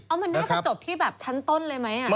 มันน่าจะจบที่แบบชั้นต้นเลยไหม